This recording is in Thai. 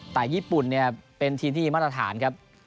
แต่ญี่ปุ่นเนี่ยเป็นทีมที่มีมาตรฐานครับ